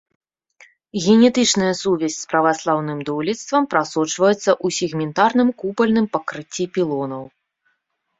Генетычная сувязь з праваслаўным дойлідствам прасочваецца ў сегментарным купальным пакрыцці пілонаў.